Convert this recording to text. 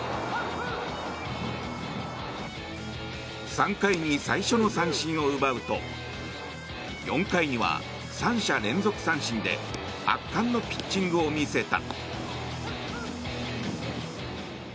３回に最初の三振を奪うと４回には３者連続三振で圧巻のピッチングを見せた。